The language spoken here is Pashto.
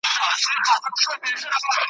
په دلیل او په منطق چي نه پوهېږي .